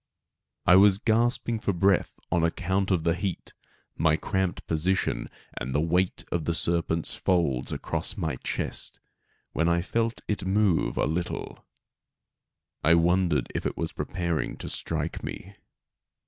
I was gasping for breath on account of the heat, my cramped position and the weight of the serpent's folds across my chest, when I felt it move a little. I wondered if it was preparing to strike me.